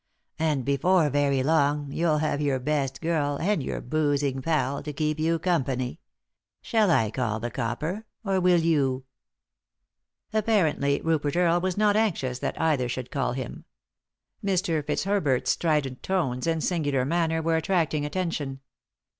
And before very long you'll have your best girl, and your boozing pal, to keep you company. Shall I call the copper — or will you ?" Apparently Rupert Earle was not anxious that either should call him. Mr. Fitzhcibert's strident tones and singular manner were attracting attention.